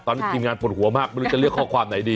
ตอนนี้ทีมงานปวดหัวมากไม่รู้จะเลือกข้อความไหนดี